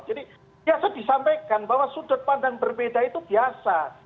jadi biasa disampaikan bahwa sudut pandang berbeda itu biasa